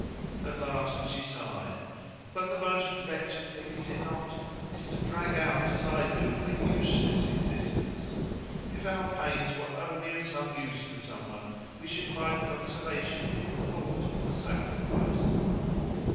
At last she sighed. "But the most wretched thing, is it not is to drag out, as I do, a useless existence. If our pains were only of some use to someone, we should find consolation in the thought of the sacrifice."